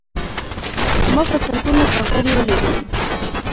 ما په سلګونه کوترې ولیدلې.